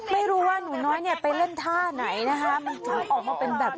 ติดอย่างนั้นได้ยังไง